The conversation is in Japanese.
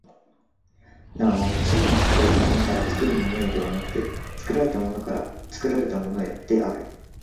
なお真に作られたものから作るものへではなくて、作られたものから作られたものへである。